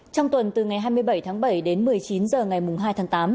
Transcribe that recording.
trong tuần từ ngày hai mươi bảy tháng bảy đến một mươi chín h ngày hai tháng tám